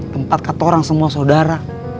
tempat ketorong semua saudara